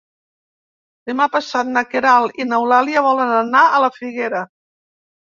Demà passat na Queralt i n'Eulàlia volen anar a la Figuera.